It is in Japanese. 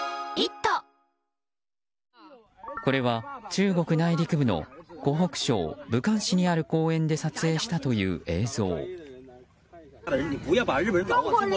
これは、中国内陸部の湖北省武漢市にある公園で撮影したという映像。